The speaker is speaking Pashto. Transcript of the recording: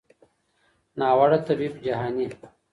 ناوړه طبیب جهاني